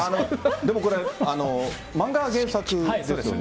でもこれ、漫画が原作ですよね。